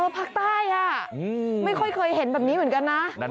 ภาคใต้ไม่ค่อยเคยเห็นแบบนี้เหมือนกันนะ